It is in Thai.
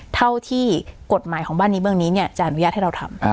เท่าที่กฎหมายของบ้านนี้เบื้องนี้จะอนุญาตให้เราทำ